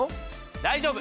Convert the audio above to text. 大丈夫！